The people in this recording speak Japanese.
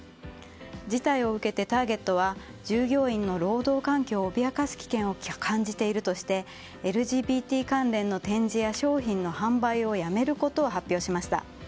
事態を受けて、ターゲットは従業員の労働環境を脅かす危険を感じているとしてＬＧＢＴ関連の展示や商品の販売をやめることを発表しました。